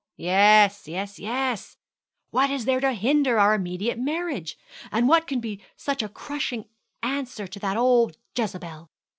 'Yes, yes, yes. What is there to hinder our immediate marriage? And what can be such a crushing answer to that old Jezebel!